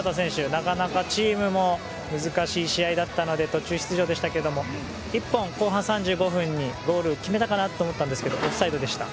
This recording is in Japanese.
なかなかチームも難しい試合だったので途中出場でしたけども１本、後半３５分にゴール決めたかな？と思ったんですけどオフサイドでした。